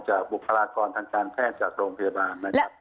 บุคลากรทางการแพทย์จากโรงพยาบาลนะครับ